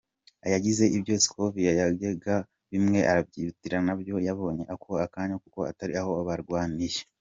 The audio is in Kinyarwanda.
Yagize "Ibyo scovia yavugaga bimwe yarabyiyitiriye, ntabyo yabonye ako kanya kuko atari aho barwaniye.